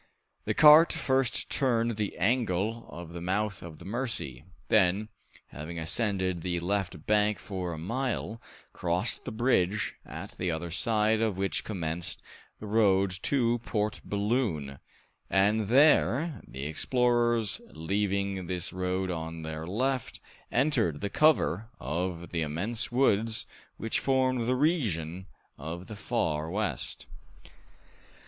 The cart first turned the angle of the mouth of the Mercy, then, having ascended the left bank for a mile, crossed the bridge, at the other side of which commenced the road to Port Balloon, and there the explorers, leaving this road on their left, entered the cover of the immense woods which formed the region of the Far West.